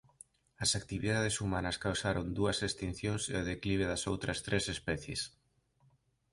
As actividades humanas causaron dúas extincións e o declive das outras tres especies.